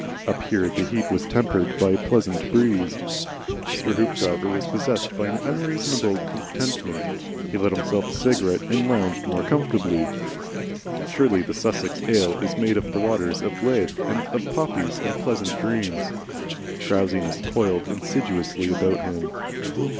Up here the heat was tempered by a pleasant breeze. Mr. Hoopdriver was possessed by unreasonable contentment; he lit himself a cigarette and lounged more comfortably. Surely the Sussex ale is made of the waters of Lethe, of poppies and pleasant dreams. Drowsiness coiled insidiously about him.